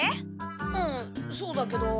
うんそうだけど。